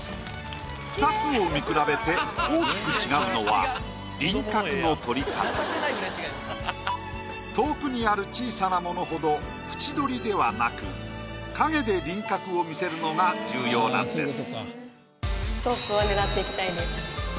２つを見比べて大きく違うのは遠くにある小さなものほど縁取りではなく影で輪郭を見せるのが重要なんです。